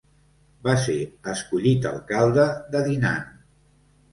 Va ser escollit alcalde de Dinan.